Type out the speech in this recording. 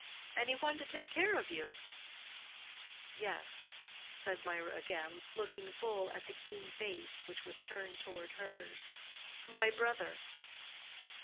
"Any one to take care of you?" "Yes," said Mirah again, looking full at the keen face which was turned toward hers—"my brother."